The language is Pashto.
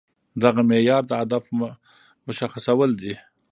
دغه معيار د هدف مشخصول دي.